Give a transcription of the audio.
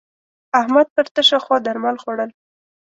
احمد پر تشه خوا درمل خوړول.